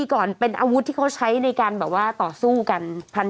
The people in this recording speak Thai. ก่อนเป็นอาวุธที่เขาใช้ในการแบบว่าต่อสู้กัน